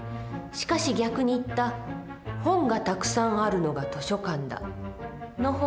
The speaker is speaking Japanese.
しかし逆に言った「本がたくさん有るのが図書館だ」の方はどうかしら。